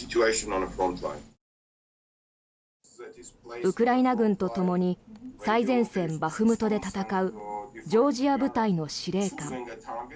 ウクライナ軍とともに最前線バフムトで戦うジョージア部隊の司令官。